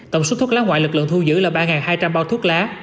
tổng số thuốc lá ngoại lực lượng thu giữ là ba hai trăm linh bao thuốc lá